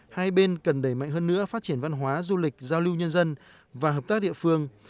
hai bên cần đẩy mạnh hơn nữa phát triển văn hóa du lịch giao lưu nhân dân và hợp tác địa phương